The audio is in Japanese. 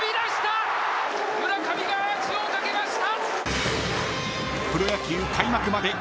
村上がアーチをかけました。